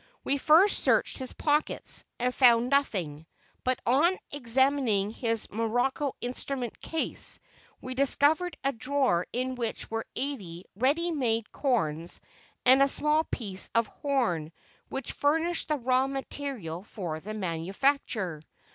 We first searched his pockets and found nothing; but upon examining his morocco instrument case, we discovered a drawer in which were eighty ready made corns and a small piece of horn which furnished the raw material for the manufacture!